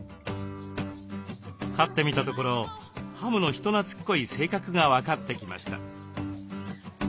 飼ってみたところハムの人なつっこい性格が分かってきました。